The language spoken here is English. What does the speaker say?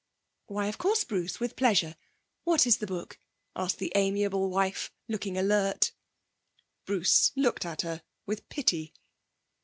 'Why, of course, Bruce, with pleasure. What is the book?' asked the amiable wife, looking alert. Bruce looked at her with pity.